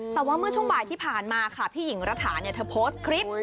แต่ว่าเมื่อช่วงบ่ายที่ผ่านมาค่ะพี่หญิงรัฐาเนี่ยเธอโพสต์คลิป